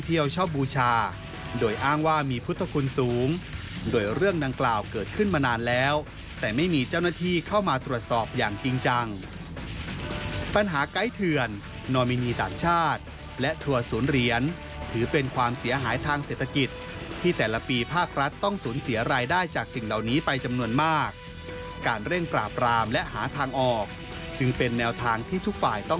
สถานีกรุชาโดยอ้างว่ามีพุทธคลุมสูงโดยเรื่องดังกล่าวเกิดขึ้นมานานแล้วแต่ไม่มีเจ้าหน้าที่เข้ามาตรวจสอบอย่างจริงจังปัญหาไกลเถื่อนโนมินีตัตรชาติและถั่วศูนย์เหรียญถือเป็นความเสียหายทางเศรษฐกิจที่แต่ละปีภาครัฐต้องศูนย์เสียรายได้จากสิ่งเหล่านี้ไปจำนวนมากการเร่งปร